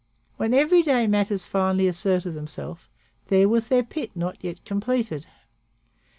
When everyday matters finally asserted themselves, there was their pit not yet completed.